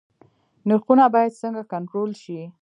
نرخونه باید څنګه کنټرول شي؟